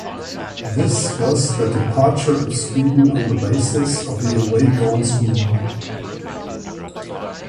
This was the departure of Sweden on the basis of the away goals rule.